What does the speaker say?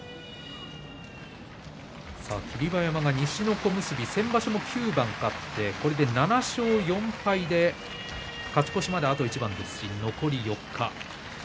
霧馬山が西の小結先場所も９番勝ちましたがこれで７勝４敗で勝ち越しまであと一番、残り４日。